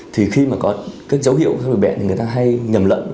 thì khi mà có các dấu hiệu cho bệnh bệnh thì người ta hay nhầm lẫn